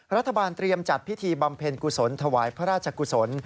รัฐบาลเตรียมจัดพิธีบำเพ็ญกุศลถวายพระราชกุศล